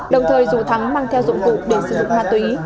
đồng thời dù thắng mang theo dụng cụ để sử dụng ma túy